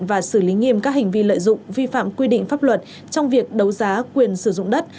và xử lý nghiêm các hành vi lợi dụng vi phạm quy định pháp luật trong việc đấu giá quyền sử dụng đất